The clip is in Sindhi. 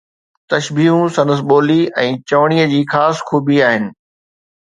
تشبيهون سندس ٻولي ۽ چوڻيءَ جي خاص خوبي آهن